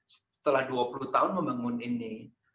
setelah dua puluh tahun membangun ini